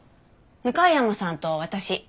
向山さんと私。